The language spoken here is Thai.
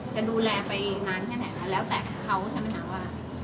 จะดูแลไปนานแค่ไหนนะแล้วแต่เขาใช่ไหมคะว่า